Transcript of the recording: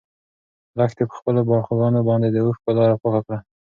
لښتې په خپلو باړخوګانو باندې د اوښکو لاره پاکه کړه.